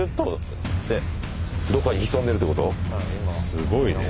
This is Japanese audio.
すごいね。